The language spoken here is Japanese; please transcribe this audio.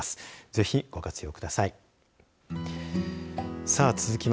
ぜひご活用ください。